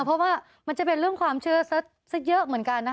เพราะว่ามันจะเป็นเรื่องความเชื่อสักเยอะเหมือนกันนะคะ